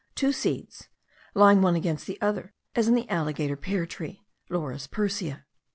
] two seeds, lying one against the other, as in the alligator pear tree (Laurus persea).